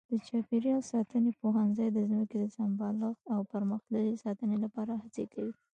د چاپېریال ساتنې پوهنځی د ځمکې د سمبالښت او پرمختللې ساتنې لپاره هڅې کوي.